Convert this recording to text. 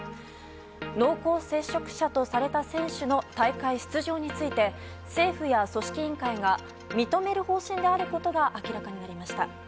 濃厚接触者とされた選手の大会出場について政府や組織委員会が認める方針であることが明らかになりました。